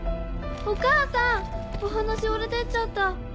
お母さんお花しおれてっちゃった。